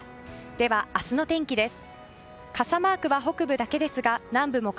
では、明日の天気です。